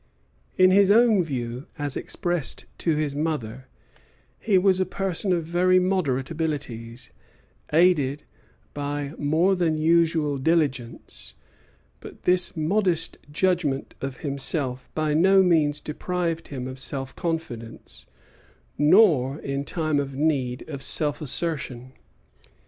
In his own view, as expressed to his mother, he was a person of very moderate abilities, aided by more than usual diligence; but this modest judgment of himself by no means deprived him of self confidence, nor, in time of need, of self assertion.